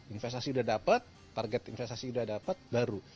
investasi udah dapet target investasi udah dapet baru